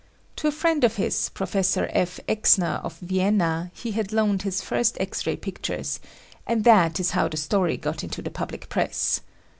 To a friend of his, Professor F. Exner of Vienna, he had loaned his first X ray pic tures and that is how the story got into the public press.